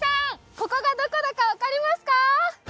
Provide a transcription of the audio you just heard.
ここがどこだか分かりますか？